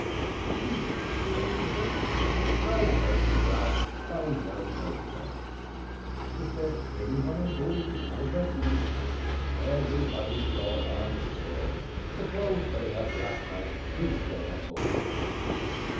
"What, is it a festival?" "So help me Gad, I no know, sar." "Is there any one on board of the other vessels?" "Eberybody gone on shore. Suppose they have black man, he stay on board."